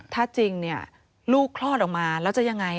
ถ้าจริงเนี่ยลูกคลอดออกมาแล้วจะยังไง